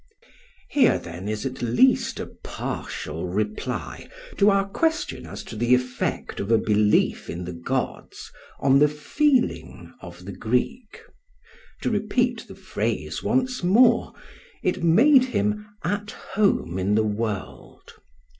Here then is at least a partial reply to our question as to the effect of a belief in the gods on the feeling of the Greek. To repeat the phrase once more, it made him at home in the world.